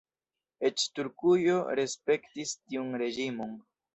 Eĉ Turkujo respektis tiun reĝimon.